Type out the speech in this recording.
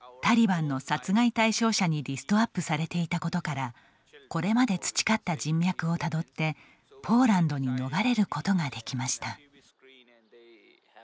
タリバンの殺害対象者にリストアップされていたことからこれまで培った人脈をたどってポーランドに逃れることができました。